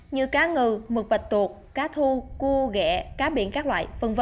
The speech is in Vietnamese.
như cá ngừ mực bạch tuột cá thu cua ghẹ cá biển các loại v v